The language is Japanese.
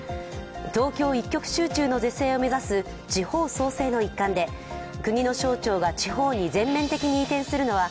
東京一極集中の是正を目指す地方創生の一環で国の省庁が地方に全面的に移転するのは